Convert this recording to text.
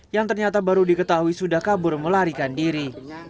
yang ternyata baru diketahui sudah kabur melarikan diri